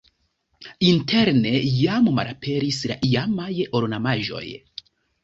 Interne jam malaperis la iamaj ornamaĵoj.